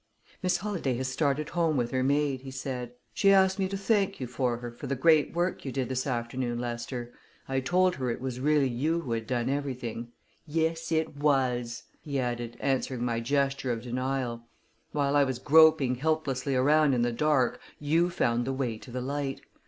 "Miss Holladay has started home with her maid," he said. "She asked me to thank you for her for the great work you did this afternoon, Lester. I told her it was really you who had done everything. Yes, it was!" he added, answering my gesture of denial. "While I was groping helplessly around in the dark, you found the way to the light.